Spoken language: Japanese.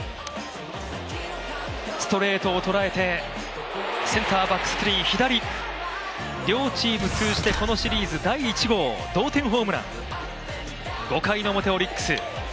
ストレートを捉えてセンターバックスクリーン左、両チーム通じてこのシリーズ第１号同点ホームラン、５回の表、オリックス。